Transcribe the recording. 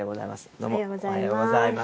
どうもおはようございます。